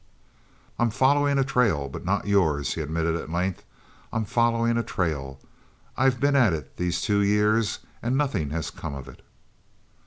"I'm following a trail, but not yours," he admitted at length. "I'm following a trail. I've been at it these two years and nothing has come of it."